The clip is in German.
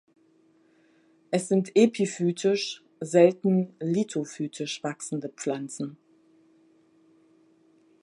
Es sind epiphytisch, selten lithophytisch wachsende Pflanzen.